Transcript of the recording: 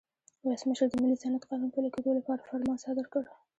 ولسمشر د ملي صنعت قانون پلي کېدو لپاره فرمان صادر کړ.